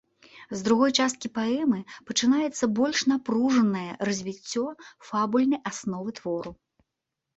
З другой часткі паэмы пачынаецца больш напружанае развіццё фабульнай асновы твору.